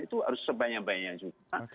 itu harus sebanyak banyak juga oke